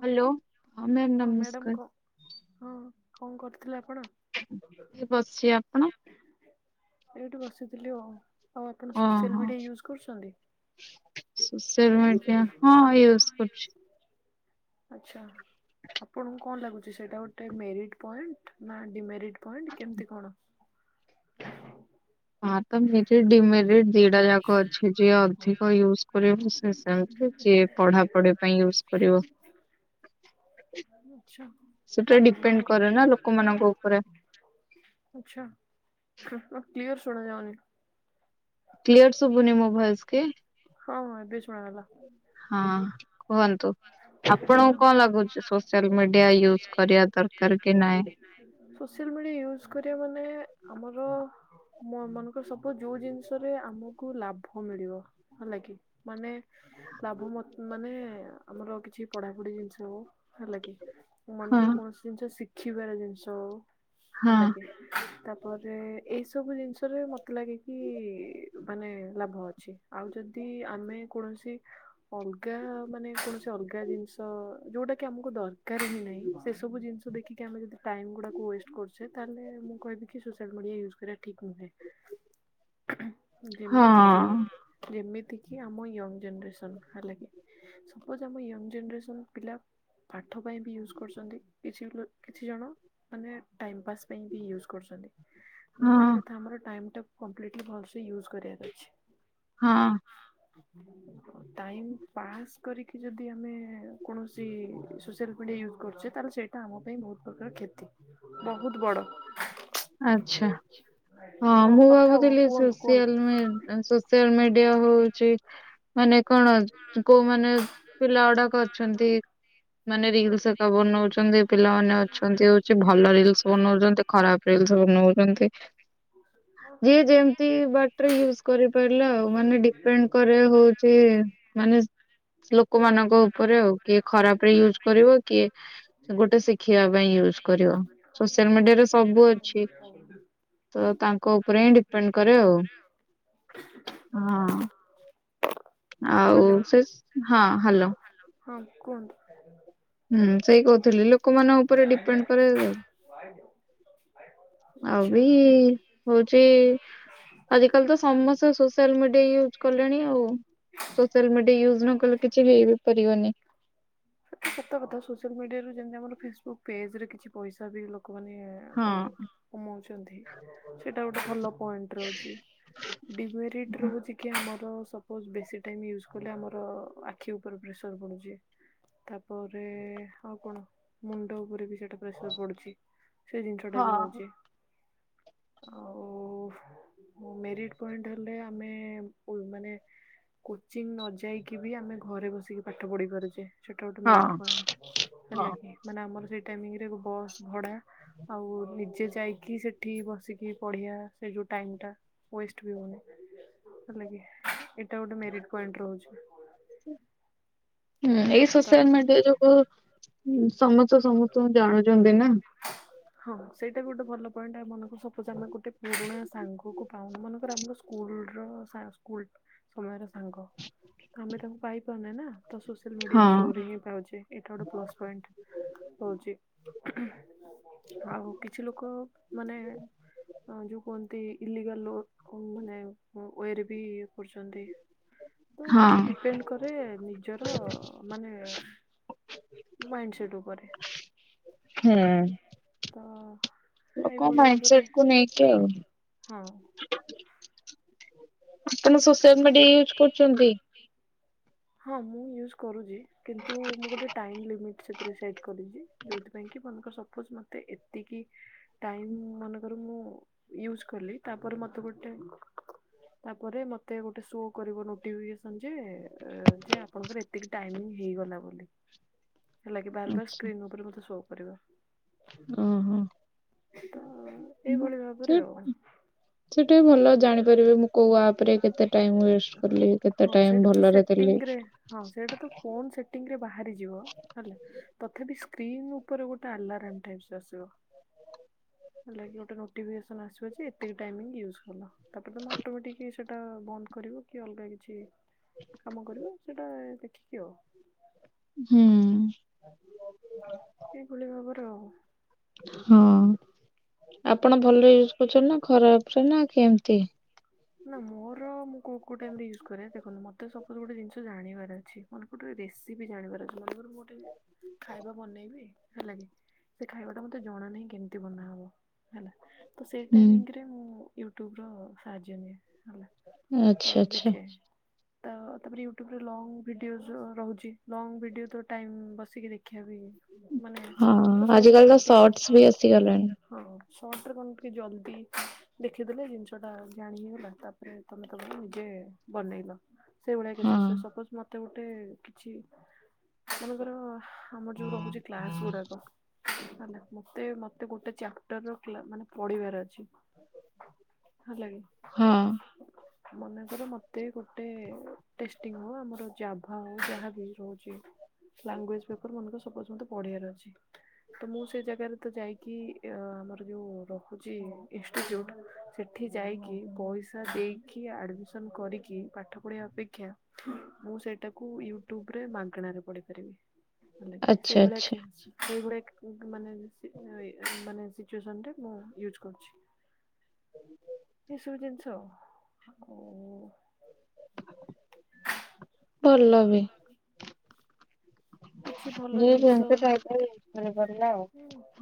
Hello ହଁ ma'am ହଁ madam ନମସ୍କାର। କ ହଁ କଣ କରୁଥିଲେ ଆପ୍? ଏଇ ବସିଛି ଆପଣ? ଏଇଠି ବସିଥିଲି ଆଉ। ଆଉ ଆପଣ ସୋସିଆଲ୍ ଓହୋ ମିଡିଆ ୟୁଜ୍ କରୁଛନ୍ତି? ୟୁଜ୍ କରୁଛି। ଆଛା ଆପଣଙ୍କୁ କଣ ଲାଗୁଛି ସେଟା ଗୋଟେ ମେରିଟ୍ ପଏଣ୍ଟ୍ ନା ଡିମେରିଟ୍? ପଏଣ୍ଟ କେମିତି କଣ? ହଁ ତ ମେରିଟ୍ ଡିମେରିଟ୍ ଦିଟା ଯାକ ଅଛି ଯିଏ ଅଧିକ ୟୁଜ୍ କରିବ ସେ ସେମିତି ଯିଏ ପଢାପଢି ପାଇଁ ୟୁଜ୍ କରିବ। ଆଚ୍ଛା। ସେଟା ଡିପେଣ୍ଡ କରେ ନା ଲୋକମାନଙ୍କ ଉପରେ ଆଚ୍ଛା କ୍ଲିୟର ଶୁଣଯାଉନି। କ୍ଲିୟର ଶୁଭୁନି ମୋ ଭଏସ୍ କି? ହଁ ହଁ ଏବେ ଶୁଣାଗଲା। ହଁ କୁହନ୍ତୁ। ଆପଣଙ୍କୁ ହଁ କଣ ଲାଗୁଛି ସୋସିଆଲ ମିଡିଆ ୟୁଜ୍ କରିବା ଦରକାର କି ନାଇଁ? ମିଳି ୟୁଜ୍ କରିବା ମାନେ ଆମର ମୋ ମନେକର ସବୁ ଯୋଉ ଜିନିଷରେ ଆମକୁ ଲାଭ ମିଳିବ ହେଲାକି କି ମାନେ ଲାଭ ମତ୍ ମାନେ ଆମର କିଛି ପଢାପଢି ଜିନିଷ ହେଲାକି ହଁ ମନେକର କୌଣସି ଜିନିଷ ଶିଖ୍ ଖିବାର ଜିନିଷ ହଁ ହେଲାକି ତାପରେ ଏ। ସବୁ ଜିନିଷରେ ମତେ ଲାଗେ କିିଇ-ଇ-ଇ ମାନେ ଲାଭ ଅଛି ଆଉ ଯଦି ଆମେ କୌଣ ସି ଅଲଗା ମାନେ କୌଣସି। କିଛି ଅଲଗା ଜିନିଷ ଯୋଉଟାକି ଆମକୁ ଦରକାର ହିଁ ନାହିଁ ସେ ସବୁ ଜିନିଷ ଦେଖିକି ଆମେ ଯଦି ଟାଇମଗୁଡାକୁ ୱେଷ୍ଟ୍ କରୁଛେ ତାହେଲେ ମୁଁ କହିବିକି ସୋସିଆଲ ମିଡିଆ ୟୂଜ୍ ସେରା ଠିକ ନୁହେଁ, ହଁ ଯେମିତି କି ଯେମିତ୍ ତିକି ଆମ ୟଙ୍ଗ୍ ଜେନେରେସନ୍ ହେଲାକି ସପୋଜ୍ ଆମ ୟଙ୍ଗ୍ ଜେନେରେସନ୍ ପିଲା ପାଠ ପାଇଁ ବି ୟୁଜ୍ କରୁଛନ୍ତି କିଛି ଲୋ କିଛି ଜଣ ମାନେ ଟାଇମ୍ ପାସ୍ ପାଇଁ ବି ୟୁଜ୍ କରୁଛନ୍ତି, ମୁଁ ହଁ କହିବା କଥା ଆମର ଟାଇମଟା କମ୍ପ୍ଲିଟଲି ଭଲସେ ୟୁଜ୍ କରିବାର ଅଛି। ହଁ। ଟାଇମ୍ ପାସ୍‌ କରିକି ଯଦି ଆମେ କୌଣସି ସୋସିଆଲ୍ ମିଡ଼ିଆ ୟୁଜ୍ କରୁଛେ ତାହେଲେ ସେଇଟା ଆମ ପାଇଁ ବହୁତ ପ୍ରକାର କ୍ଷ ତି ବହୁତ ବଡ଼। ଆଚ୍ଛା। ହଁ ମୁଁ କଥା ଭାବୁଥିଲି କୁହନ୍ତୁ ସୋସିଆଲ କୁହନ୍ତୁ ମି ସୋସିଆଲ ମିଡିଆ ହଉଛି ମାନେ କଣ କୋଉମାନେ ପିଲା ଗୁଡାକ ଅଛନ୍ତି ମାନେ ରିଲସ୍ ଏକା ବନଉଛନ୍ତି ପିଲାମାନେ ଅଛନ୍ତି ହଉଛି ଭଲ ରିଲସ୍ ବନଉଛନ୍ତି ଖରାପ୍ ରିଲସ୍ ବନଉଛନ୍ତି। ହଁ। ଯିଏ ଯେମତି ବାଟରେ ୟୁଜ୍ କରିପାରିଲା ଆଉ ମାନେ ଡିପେଣ୍ଡ୍ କରେ ହଉଛି ମାନେ ଲୋକମାନଙ୍କ ଉପରେ ଆଉ କିଏ ଖରାପରେ ୟୁଜ୍ କରିବ କିଏ ଗୋଟେ ଶିଖିବା ପାଇଁ ୟୁଜ୍। ୟୁଜ୍ କରିବ, ସୋସିଆଲ ମିଡିଆରେ ସବୁ ଅଛି। ତ ତାଙ୍କ ଉପରେ ହିଁ ଡିପେଣ୍ଡ୍ କରେ ଆଉ। ହଁ। ଆଉ ହ୍ୟାଲୋ ସେସ୍ ହଁ ହାଲୋ। ହଁ କୁହନ୍ତୁ। ହୁଁ ସେଇ କହୁଥିଲି ଲୋକମାନଙ୍କ ଉପରେ ଡିପେଣ୍ଡ୍ କରେ। ଆ। ଆଉ ବି ହଉଚି ଆଜିକାଲି ତ ସମସ୍ତେ ସୋସିଆଲ ମିଡିଆ ୟୁଜ୍ କଲେଣି ଆଉ। ସୋସିଆଲ ମିଡିଆ ୟୁଜ ନ କଲେ କିଛି ବି ହେଇ ପାରିବନି। ସେ ସତ କଥା ସୋଆଲ ମିଡିଆରୁ ଯେମତି ଆମର ଫେସବୁକ ପେଜରେ କିଛି ପଇସା ବଦେଇ ଲୋ କମାନୋନ ହଁ। କଣ କମଉଚନ୍ତି ସେଇଟା ଗୋଟେ ଭଲ ପଏଣ୍ଟ ରହୁଚି ଡିମେରିଟ୍ ରହୁଚି କି ଆମର ସପୋଜ ବେଶୀ ଟାଇମ୍ ୟୁଜ୍ କଲେ ଆମର ଆଖି ଉପରେ ପ୍ରେସର ପଡ଼ୁଚି। ତାପରେ ଆଉ କଣ ମୁଣ୍ଡ ଉପରେ ବି ସେଇଟା ପ୍ରେସର ପଡୁଚି। ସେ ଜିନିଷଟା ବି ହଁ। ହଉଚି ଆଉ ମେରିଟ ପଏଣ୍ଟ ହେଲେ ଆମେ ପୁ ମାନେ କୋଚିଂ ନ ଯାଇକି ବି ଆମେ ଘରେ ବସିକି ପାଠ ପଢି ପାରୁଚେ। ସେଟା ଗୋଟେ ହଁ ମେରିଟ ପଣ୍ଟ ହଁ ହେଲା କି ମାନେ ଆମର ସେଇ ମିତିରେ ବି ବସ୍ ଭଡା ଆଉ ନିଜେ ଯାଇକି ସେଠି ବସିକି ପଢିଆ ସେ ଯୋଉ ଟାଇମ ଟା ୱେଷ୍ଟ ବି ହଉନି। ହେଲା କି ଏଟା ଗୋଟେ ମେରିଟ ପଏଣ୍ଟ ରହୁଚି। ହୁଁ ଏଇ ତ ସୋସିଆଲ ମିଡିଆ ଯୋଗୁ ହଁ ସମସ୍ତେ ସମସ୍ତଙ୍କୁ ଜାଣୁଚନ୍ତି ନା। ହଁ ସେଇଟା ବି ଗୋଟେ ଭଲ ପଏଣ୍ଟ ଏମାନଙ୍କୁ ସପୋଜ ଆମେ ଗୋଟେ ପୁରୁଣା ସାଙ୍ଗକୁ ପାଉନୁ ମନେକର ଆମର ସ୍କୁଲର ସା ସ୍କୁଲ ସମୟର ସାଙ୍ଗ ତ ଆମେ ତାକୁ ପାଇପାରୁନେ ନା। ତ ସୋସିଆଲ୍ ହଁ ମିଡ଼ିଆ ଥ୍ରୁରେ ହିଁ ପାଉଚେ ଏଇଟା ଗୋଟେ ପ୍ଲସ୍ ପଏଣ୍ଟ। ହଉଚି ଆଉ କିଛି ଲୋକ ମାନେ ଆଉ ଯୋଉ କୁହନ୍ତି ଇଲିଗାଲ ନୋଟ ମାନେ ୱେରେ ବି କରୁଚନ୍ତି। ତ ହଁ ସେଟା ଡିପେଣ୍ଡ କର କରେ ନିଜର ମାନେ ମାଇଣ୍ଡ ସେଟ ଉପରେ। ହୁଁ। ତ ଲୋକ ଏଇଭଳି ମାଇଣ୍ଡ ଭାବରେ, ସେଟ କୁ ନେଇକି ଆଉ ହଁ। ଆପଣ [inaudible] ସୋସିଆଲ ମିଡିଆ ୟୁଜ କରୁଛନ୍ତି? ହଁ ମୁଁ ୟୁଜ୍ କରୁଚି କିନ୍ତୁ ମୁଁ ଗୋଟେ ଟାଇମ୍ ଲିମିଟ୍ ସେଥିରେ ସେଟ୍ କରିଚି ଯଉଁଥିପାଇଁ କି ବ ତ ସପୋଜ ମତେ ଏତିକି ଟାଇମ ମନେକର ମୁଁ ୟୁଜ କଲି ତା ପରେ ମତେ ଗୋଟେ ତାପରେ ମତେ ଗୋଟେ ଶୋ କରିବ ନୋଟିଫିକେସନ ଯେ ଏ ଯେ ଆପଣଙ୍କର ଏତିକି ଟାଇମ ହେଇଗଲା ବୋଲି। ହେଲା କିି ବାର ବାର ସ୍କ୍ରିନ୍ ଉପରେ ମତେ ସୋ କରିବ। ଓ ହୋ। ତ ଅ ଏଇଭଳି ଭାବରେ ଆଉ। ସେଟା ବି ଭଲ ଜାଣିପାରିବେ ମୁଁ କୋଉ ଆପ ରେ କେତେ ଟାଇମ ୱେଷ୍ଟ କଲି କେତେ ଟାଇମ ଭଲରେ ଦେଲି। ସେଟିଙ୍ଗ ରେ ହଁ ସେଟା ତ ଫୋନ୍ ସେଟିଙ୍ଗ ରେ ବାହାରିଯିବ ହେଲା ତଥାପି ସ୍ ସ୍କ୍ରିନ୍ ଉପରେ ଗୋଟେ ଆଲାରାମ ଟାଇପସ ଆସିବ। ହେଲା କି ଗୋଟେ ନୋଟିଫିକେସନ୍ ଆସିବ ଯେ ଏତିକି ଟାଇମିଙ୍ଗ ୟୁଜ କଲ, ତାପରେ ତମେ ଅଟୋମେଟିକ ଜିନିସ ଟା ବନ୍ଦ କରିବ କି ଅଲଗା କିଛି କାମ କରିବ ସେଇଟା ଦେଖିକି ଆଉ। ହୁଁ। ଏଇ ଭଳି ଭାବରେ ଆଉ। ହଁ। ଆପଣ ଭଲ ୟୁଜ କରୁଚନ୍ତି ନା ଖରାପ ରେ ନା କେମିତି? ନା ମୋର ମୁଁ କୋଉ କୋଉ ଟାଇମରେ ୟୁଜ କରେ ଦେଖନ୍ତୁ ମତେ ସପୋଜ ଗୋଟେ ଜିନିଷ ଜାଣିବାର ଅଛି ମନେକର ଗୋଟେ ରେ ରେସିପି ଜାଣିବାର ଅଛି ମନେକର ମୁଁ ଗୋଟେ ଖାଇବା ବନେଇବି। ହେଲା କି ସେ ଖାଇବା ଟା ମତେ ଜଣା ନାହିଁ କେମିତି ବନାହବ ହେଲା। ତ ସେଇ ହୁଁ। ଟାଇମିଙ୍ଗରେ ମୁଁ ୟୁଟ୍ୟୁବର ସାହାଯ୍ୟ ନିଏ। ହେଲା ତ ଆଚ୍ଛା ଏବେ ଆଚ୍ଛା ଖେ ତ ତାପରେ ୟୁଟ୍ୟୁବରେ ଲଙ୍ଗ ଭିଡିଓସ ରହୁଚି ଲଙ୍ଗ ଭିଡିଓ ତ ଟାଇମ ବସିକି ଦେଖିବା ବି ମାନେ ହଁ କେତେବେଳେ ଆଜିକାଲି ତ ସର୍ଟସ ବି ଆସିଗଲାଣି। କେତେବେଳେ, ହଁ। ସର୍ଟ ରେ କଣ ଟିକେ ଜଲଦି ଦେଖିଦେଲେ ଜିନିଷ ଟା ଜାଣିହେଇଗଲା ତାପରେ ତମେ ତମର ନିଜେ ସେ ବନେଇବ। ସେଇଭଳିଆ ହଁ କେସେସ୍ ରେ ସପୋଜ ମତେ ଗୋଟେ କିଛି ମନେକର ଆମର ଯୋଉ ରହୁଛି କ୍ଲାସ୍ ଗୁଡ଼ାକ ହେଲା ମତେ ମତେ ଗୋଟେ ଚା [unintelligible] ମାନେ ପଢ଼ିବାର ଅଛି ହେଲାକି ହଁ। ହୁଁ। ମନେକର ମତେ ଗୋଟେ ଟେଷ୍ଟିଙ୍କ୍ ହଉ ଆମର ଜାଭା ହଉ ଯାହା ବି ରହୁଛି ଲାଙ୍ଗୁଏଜ ପେପର ମନେକର ସପୋଜ ମତେ ପଢ଼ିବାର ଅଛି ତ ମୁଁ ସେ ଜାଗାରେ ତ ଯାଇକି ଆମର ଯୋଉ ରହୁଛି ଇନଷ୍ଟିଚ୍ୟୁଟ୍ ସେଠି ଯାଇକି ପଇସା ଦେଇକି ଆଡ଼ମିସନ୍ କରିକି ପାଠ ପଢ଼ିବା ଅପେକ୍ଷା ମୁଁ ସେଇଟାକୁ ୟୁଟ୍ୟୁବରେ ମାଗଣାରେ ପଢି଼ପାରିବି। ଆଚ୍ଛା ସେଇଭଳିଆ ଆଚ୍ଛା ସେଇଭଳିଆ ମାନେ ମାନେ ସିଚୁଏସନ୍ ଟା ମୁଁ ୟୁଜ୍ କରୁଚି। ଏସବୁ ଜିନିଷ ଆଉ ଭଲ ବି କିଛି ଭଲ ଯେ ଜିନିଷ ଯେମିତି ଟାଇପ୍ ର ହଁ [unintelligible]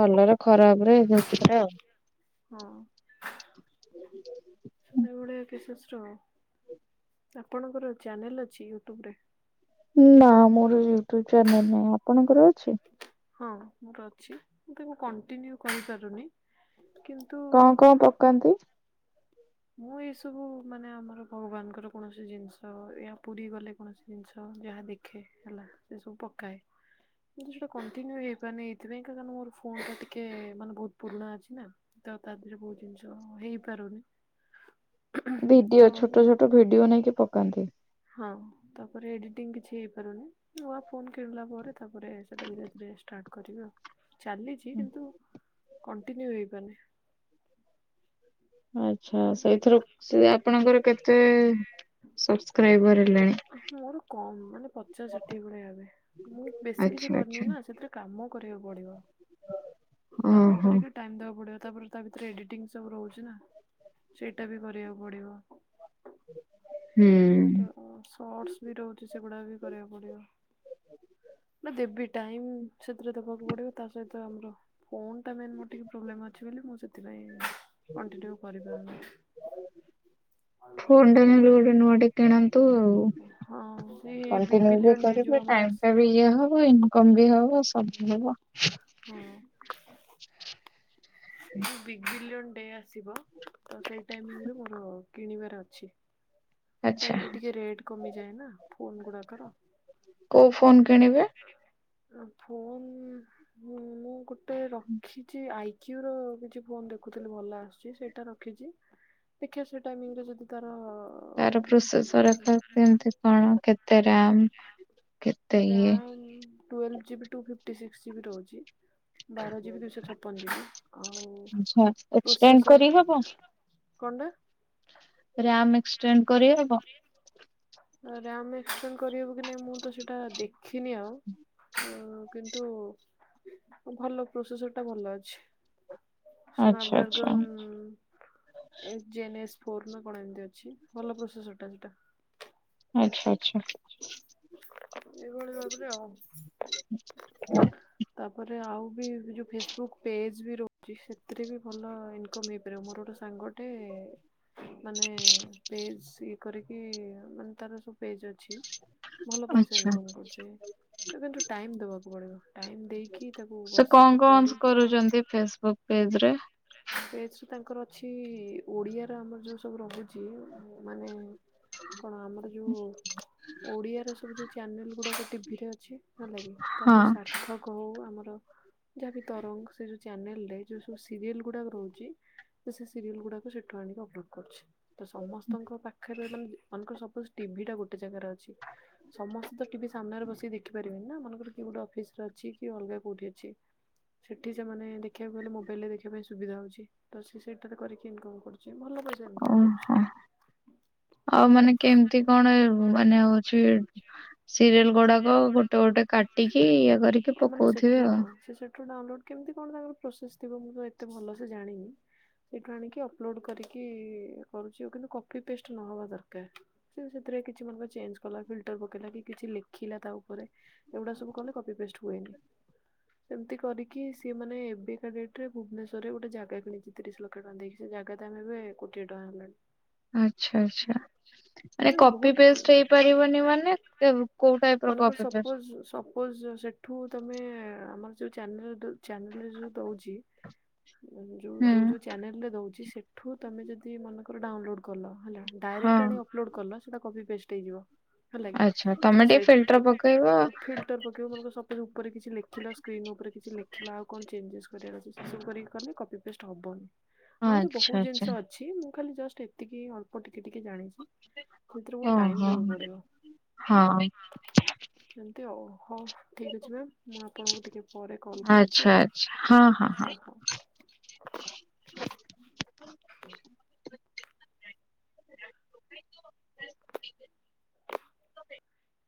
ଭଲରେ ଖରାପ ରେ [unintelligible] ଆଉ ହଁ। ଏଇଭଳିଆ କେସେସ ଆପଣଙ୍କର ଚ୍ୟାନେଲ ଅଛି ୟୁଟ୍ୟୁବରେ। ନା ମୋର ୟୁଟ୍ୟୁବ ଚ୍ୟାନେଲ ନାହିଁ ଆପଣଙ୍କର ଅଛି? ହଁ ମୋର ଅଛି ମୁଁ ତ ମୁଁ କଣ୍ଟିନ୍ୟୁ କରିପାରୁନି। କିନ୍ତୁ କଣ କଣ ପକାନ୍ତି। ମୁଁ ଏଇସବୁ ମାନେ ଆମର ଭଗବାନଙ୍କର କୌଣସି ଜିନିଷ ଏୟା ପୁରୀ ଗଲେ କୌଣସି ଜିନିଷ। ଯାହା ଦେଖେ ହେଲା ସେ ସବୁ ପକାଏ। [unintelligible] କଣ୍ଟିନ୍ୟୁ ହେଇପାରୁନି ଏଇଥିପାଇଁ କା ମୋ ଫୋନ ଟା ଟିକେ ମାନେ ବହୁତ୍ ପୁରୁଣା ଅଛି ନା। ତ ତା ଦେହରେ ବୋହୁତ୍ ଜିନିଷ ହେଇପାରୁନି। ଭିଡ଼ିଓ ତ ଛୋଟ ଛୋଟ ଭିଡିଓ ନେଇକି ପକାନ୍ତି। ହଁ ତାପରେ ଏଡିଟିଂ କିଛି ହେଇପାରୁନି ନୂଆ। ଫୋନ କିଣିଲା ପରେ ତାପରେ ସେଟା ଧୀରେ ଧୀରେ ଷ୍ଟାର୍ଟ କରିବା ଚାଲିଛି କିନ୍ତୁ କଣ୍ଟିନ୍ୟୁ ହେଇପାରିନି। ଆଚ୍ଛା ସେଇଥିରୁ ସେ ଆପଣଙ୍କର କେତେ ସବସ୍କ୍ରାଇବର ହେଲାଣି? ମୋର କମ୍ ମାନେ ପଚାଶ ଷାଠିଏ ଭଲିଆ ହେବେ ମୁଁ ବେଶୀ ଆଚ୍ଛା କିଛି କରିନି ଆଚ୍ଛା ନା ସେଥିରେ କାମ କାମ କରିବାକୁ ପଡ଼ିବ କାମ ଓହୋ କରିଛି ଟାଇମ୍ ଦବାକୁ ପଡିବ ତାପରେ ତା ଭିତରେ ଏଡ଼ିଟିଙ୍ଗ୍ ସବୁ ରହୁଛି ନା ସେଇଟା ବି କରିବାକୁ ପଡ଼ିବ। ହୁଁ। ଶର୍ଟସ ବି ରହୁଛି ସେଗୁଡା ବି କରିବାକୁ ପଡ଼ିବ। ନା ଦେବି। ଟାଇମ୍ ସେଥିରେ ଦେବାକୁ ପଡ଼ିବ ତା ସହିତ ଆମର ଫୋନ୍ ଟା ମେନ୍ ମୋର ଟିକେ ପ୍ରୋବ୍ଲେମ୍ ଅଛି ବୋଲି ସେଥିପାଇଁ କଣ୍ଟିନ୍ୟୁ କରିପାରୁନି। ଫୋନ ଟା ନହେଲେ ଏଇଭଳି ଗୋଟେ ନୂଆ ଟେ କିଣନ୍ତୁ ଆଉ ହଁ ସେଇ ବିଗ୍ କଣ୍ଟିନ୍ୟୁ ବି ବିଲିୟନ ଡେ ଯୋଉ କରିବେ ଆମର ଆସ ଟାଇମ୍ ଟା ବି ଇଏ ହବ ଇନକମ୍ ହବ ସବୁ ହବ। ହଁ। ଏଇ ବିଗ୍ ବିଲିଅନ୍ ଏବେ ଆସିବ ତ ସେଇ ଟାଇମିଂରେ ମୋର କିଣିବାର ଅଛି। ସେଇ ଆଚ୍ଛା ଟାଇମ୍ ରେ ଟିକେ ରେଟ୍ କମିଯାଏ ନା ଫୋନ ଗୁଡ଼ାକ ର। କୋଉ ଫୋନ୍ କିଣିବେ? ଫୋନ ମୁଁ ଗୋଟେ ରଖିଛି ଆଇକ୍ୟୁର କିଛି ଫୋନ୍ ଦେଖୁଥିଲି ଭଲ ଆସୁଛି ସେଇଟା ରଖିଛି ଦେଖିବା ସେଇ ଟାଇମ୍ ଯଦି ତାର ତାର ପ୍ରୋସେସର୍ କେମତି କଣ କେତେ ରାମ୍ କେତେ? ସେଇଏ twelve GB two fifty G ରହୁଚି। ବାର ଯିବି ଦୁଇଶହ ଛପନ ଯିବି ଆଉ ଏସେଣ୍ଡ କରିହବ। ହଁ ପରା। ମ ଏସଟେଣ୍ଡ କରିହବ ରାମ୍ କରିହେବ କି ନାଇଁ ମୁଁ ତ ସେଇଟା ଦେଖିନି ଆଉ କିନ୍ତୁ ଭଲ ପ୍ରୋସେସର ଟା ଭଲ ଅଛି। ଆଚ୍ଛା ଆଚ୍ଛା ସ୍ନାପଡାର୍ଗ ଜେ ଫୋର ନା କଣ ଏମିତି ଅଛି ଭଲ ପ୍ରୋସେସଟା ସେଟା ଆଚ୍ଛା ଆଚ୍ଛା ଏଭଳି ଭାବରେ ଆଉ ତାପରେ ଆଉ ବି ଯୋଉ ଫେସବୁକ୍ ପେଜ ରଛି ସେଥିରେ ବି ଭଲ ଇନ ହେଇପାରିବ ମୋର ଗୋଟେ ସାଙ୍ଗଟେ ମାନେ ପେଜ ଇଏକରିକି ମାନେ ତାର [unintelligible] ଭଲ ପଇସା ଆଚ୍ଛା। ଇନକମ କରୁଛେ, କିନ୍ତୁ ଟାଇମ ଦବାକୁ ପଡିବ। ଟାଇମ ଦେଇକି ତାକୁ ସେ ବସିକି କଣ କରି କଣ କରୁଛନ୍ତି, ଫେସବୁକ୍ ପେଜ ରେ ବ ତାଙ୍କର ଅଛି ଓଡିଆର ଆମର ଯୋଉ ସବୁ ରହୁଚି ମାନେ କଣ ଆମର ଯୋଉ ଓଡିଆ ର ସବୁ ଯୋଉ ଚ୍ୟାନେଲ ଗୁଡାକ ଟିଭିରେ ଅଛି ନ ଲାଗେ ତାର ହଁ ଯୋଉ ସାର୍ଥକ ହୋଉ ଆମର ତରଙ୍ଗ ସେ ଚ୍ୟାନେଲରେ ଯୋଉ ସବୁ ସିରିଏଲ୍ ରେ ଗୁଡ଼ାକ ରହୁଛି ସେ ସିରିଏଲ୍ ଗୁଡାକ ସେଠୁ ଆଣିକି ଅପଲୋଡ଼୍ କରୁଚି। ତ ସମସ୍ତଙ୍କ ପାଖରେ ରହି। ମନେକର ସପୋଜ ଟିଭି ଟା ଗୋଟେ ଜାଗାରେ ଅଛି ସମସ୍ତେ ଟିଭି ସାମ୍ନାରେ ବସି ଦେଖିପାରିବେନି ନା ମନ ଗୋଟେ ଅଫିସରେ ଅଛି କି ଅଲଗା କୋଉଠି ଅଛି, ସେଠି ସେମାନେ ଦେଖିବାକୁ ଗଲେ [unintelligible] ଦେଖିବା ପାଇଁ ସୁବିଧା ହୋଉଚି, ତ ସେଇଟାରେ କରିକି ଇନକ କରୁଚି। ଇକମ୍ କରୁଚି। ଓହୋ ଆଉ ମାନେ କେମିତି କଣ ମାନେ ହୋଉଚି ସିରିଏଲ ଗୁଡାକ ଗୋଟେ ଗୋଟେ କାଟିକି ଇଏ କରିକି ଆ ମାନେ ସେଠୁ ପକଉଥିବେ ହଁ ଆଉ। ସେ ସେଠୁ ଡାଉନଲୋଡ କେମିତି କଣ ତାଙ୍କର ପ୍ରୋସେସ ଥିବ ମୁଁ ତ ଏତେ ଭଲସେ ଜାଣିନି। ସେଇଠୁ ଆଣିକି ଅପଲୋଡ କରିକି କରୁଚି, ଆଉ କିନ୍ତୁ କପି ପେଷ୍ଟ ନହବା ଦରକାର ସେ କିଛି [unintelligible] କଲା ଫର ପକେଇଲା କିଛି ଲେ ଖିଲା ତା ଉପରେ ଏଗୁଡା ସବୁ କଲେ କପି ପେଷ୍ଟ ହୁଏନି। ସେମିତି କରିକି ସିଏ ମାନେ ଏବିକା ଡେଟ ରେ ଭୁବନେଶ ରେ ଗୋଟେ ଜାଗା କିଣିଚି ତିରିଶ ଲକ୍ଷ ଟଙ୍କା ଦେଇକି। ଜାଗା ତ ଆମେ ବି କୋଟିଏ ଟଙ୍କା ହେଲା ଆଚ୍ଛା ଆଚ୍ଛା ମାନେ କିନ୍ତୁ ବହୁତ କପି ପେଷ୍ଟ ହେଇପାରିବନି ମାନେ କୋଉ ଟାଇପ ର ମନେକର କପି ପେଷ୍ଟ? ସପୋଜ ସପୋଜ ସେଠୁ ତମେ ଆମର ଯୋଉ ଚାନେଲ ଚାନେଲରେ ଯୋଉ ଦୋଉଚି। ଯୋଉ ହୁଁ ଯୋଉ ଯୋଉ ଚ୍ୟାନେଲରେ ଦୋଉଚି ସେଠୁ ତମେ ଯଦି ମନେକର ଡାଉନଲୋଡ କର। ହଁ ଡାଇରେଟ୍ ଅପଲୋଟ କଲ ସେଟା କପିପେଷ୍ଟ ହେଇଯିବ, ହେଲାକି। ଆଚ୍ଛା ତ ତମେ ଟିକେ ସେଠି ଫିଲ୍ଟର ପକେଇବ ଫିଲ୍ଟର ପକେଇବ ମ ସପୋଜ ଉପରେ କିଛି ଲେଖିଲା ସ୍କ୍ରିନ ଉପରେ କିଛି ଲେଖିଲା ଆଉ କଣ ଚେଞଜେ କରିବାର ଅଛି ସେ ସବୁ [unintelligible] ବେଷ୍ଟ ହେବନି ଆହୁରି ଆଚ୍ଛା ବୋହୁତ ଆଚ୍ଛା ଜିନିଷ ଅଛି, ମୁଁ ଖାଲି ଜଷ୍ଟ ଏତିକି ଅଳ୍ପ ଟିକେ ଟିକିେ ଜାଣିଛି। ସେଥିରେ ବହୁତ ଓ ଟାଇମ ହୋ ଦବାକୁ ପଡିବ ହଁ। ଏମିତି ହୋଉ। ହୋଉ ଠିକ ଅଛି, ମ୍ୟାାମ ମୁଁ ଆପଣଙ୍କୁ ଟିକେ ପରେ କଲ୍ କରୁଛି ଆଚ୍ଛା ଆଉ ଆଚ୍ଛା ହଁ ହଁ। ହୋଉ ହୋଉ। [unintelligible]